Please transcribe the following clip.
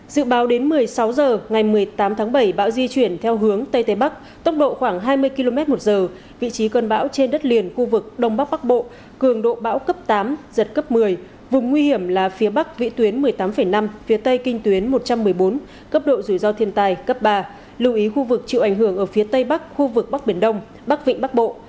dự báo đến một mươi sáu h ngày một mươi tám tháng bảy bão di chuyển theo hướng tây tây bắc tốc độ khoảng hai mươi km một giờ vị trí cân bão trên đất liền khu vực đông bắc bắc bộ cường độ bão cấp tám giật cấp một mươi vùng nguy hiểm là phía bắc vị tuyến một mươi tám năm phía tây kinh tuyến một trăm một mươi bốn cấp độ rủi ro thiên tài cấp ba lưu ý khu vực chịu ảnh hưởng ở phía tây bắc khu vực bắc biển đông bắc vịnh bắc bộ